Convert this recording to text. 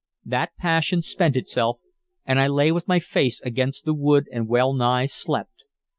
That passion spent itself, and I lay with my face against the wood and well nigh slept.